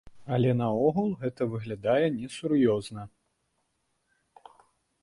Але наогул, гэта выглядае несур'ёзна.